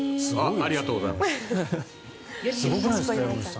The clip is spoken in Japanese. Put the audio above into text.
ありがとうございます。